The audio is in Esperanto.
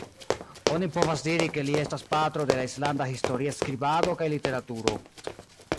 Oni povas diri ke li estas patro de la islanda historia skribado kaj literaturo.